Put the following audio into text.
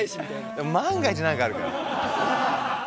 でも万が一何かあるから。